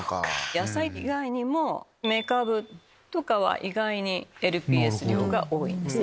野菜以外にもめかぶとかは意外にＬＰＳ量が多いです。